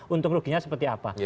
untuk ruginya seperti apa